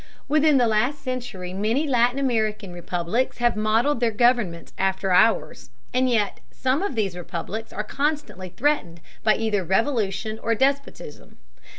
Within the last century many Latin American republics have modeled their governments after ours, and yet some of these republics are constantly threatened by either revolution or despotism.